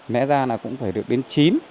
nãy ra là cũng phải được đến chín